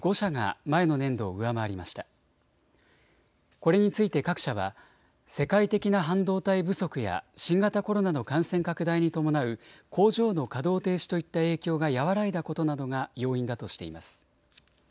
これについて各社は世界的な半導体不足や新型コロナの感染拡大に伴う工場の稼働停止といった影響が和らいだことなどが要因だとしています。